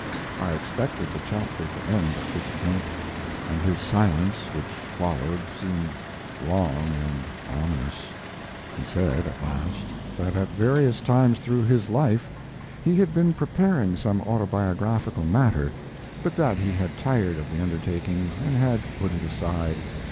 I expected the chapter to end at this point, and his silence which followed seemed long and ominous. He said, at last, that at various times through his life he had been preparing some autobiographical matter, but that he had tired of the undertaking, and had put it aside.